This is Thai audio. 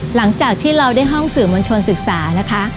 หลังจากที่เราได้ห้องสื่อมวลชนศึกษานะคะ